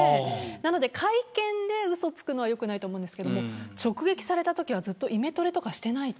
なので会見でうそをつくのは良くないと思うんですけど直撃されたときはイメトレとかしていないと。